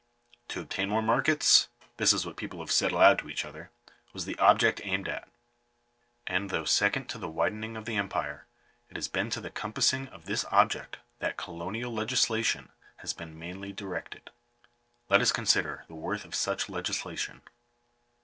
To obtain more markets — this is what people have said aloud to each other, was the object aimed at. And, though second to the widening of empire, it has been to the compassing of this object that colonial legislation has been mainly directed. Let us consider the worth of such legislation.